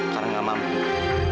karena gak mampu